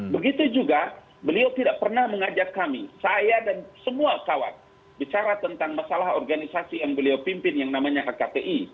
begitu juga beliau tidak pernah mengajak kami saya dan semua kawan bicara tentang masalah organisasi yang beliau pimpin yang namanya hkti